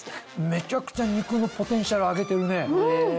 めちゃくちゃ肉のポテンシャル上げてるね。ね！